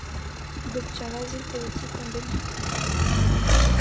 Il obtient l’asile politique en Belgique.